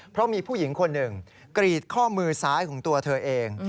เพราะมีผู้หญิงคนหนึ่งกรีดข้อมือซ้ายของตัวเธอเอง